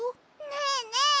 ねえねえ